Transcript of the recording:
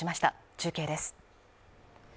中継です。